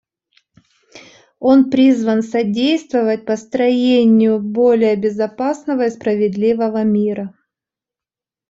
Он призван содействовать построению более безопасного и справедливого мира.